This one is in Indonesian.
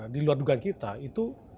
di luar dugaan kita itu